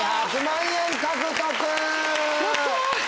やった！